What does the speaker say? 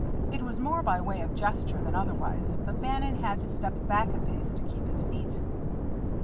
It was more by way of gesture than otherwise, but Bannon had to step back a pace to keep his feet.